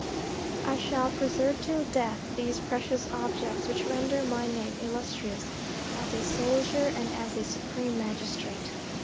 I shall preserve till death these precious objects which render my name illustrious as a soldier and as a supreme magistrate.